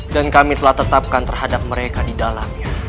dan kami telah tetapkan terhadap mereka di dalamnya